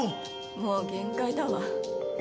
もう限界だわ